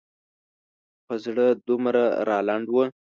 په زړه دومره رالنډ و.